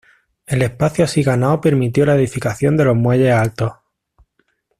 El espacio así ganado permitió la edificación de los muelles altos.